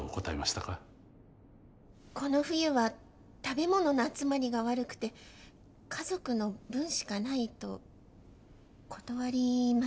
この冬は食べ物の集まりが悪くて家族の分しかないと断りました。